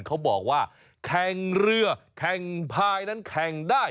เขาบอกว่าแข่งเรือแข่งพายนั้นแข่งได้